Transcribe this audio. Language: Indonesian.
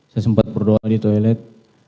saya sempat berdoa di toilet